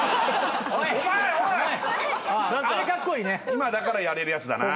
今だからやれるやつだな。